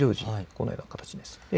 このような形です。